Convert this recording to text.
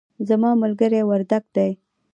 زما ملګری وردګ دی